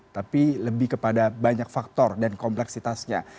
tapi lebih kepada banyak faktor dan kompleksitasnya